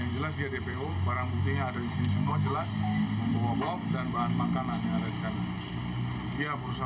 kita dalami ya